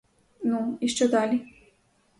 Ну, і що далі?